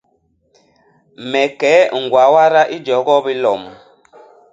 Me kee ñgwa wada i jogop i lom.